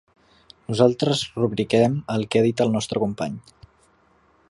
Nosaltres rubriquem el que ha dit el nostre company.